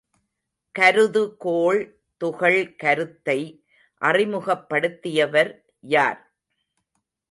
கருதுகோள் துகள் கருத்தை அறிமுகப்படுத்தியவர் யார்?